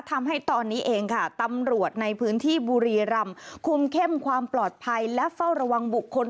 ทำให้ตอนนี้เองค่ะตำรวจในพื้นที่บุรีรำคุมเข้มความปลอดภัยและเฝ้าระวังบุคคล